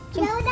ya udah ate